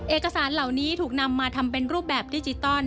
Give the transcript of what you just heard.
เอกสารเหล่านี้ถูกนำมาทำเป็นรูปแบบดิจิตอล